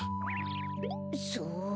そう。